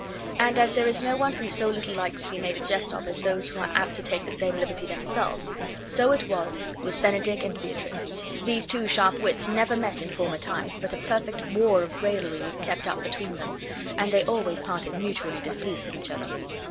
And as there is no one who so little likes to be made a jest of as those who are apt to take the same liberty themselves, so it was with Benedick and Beatrice; these two sharp wits never met in former times but a perfect war of raillery was kept up between them, and they always parted mutually displeased with each other.